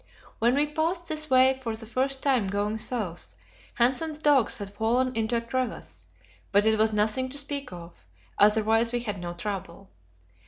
When we passed this way for the first time going south, Hanssen's dogs had fallen into a crevasse, but it was nothing to speak of; otherwise we had no trouble.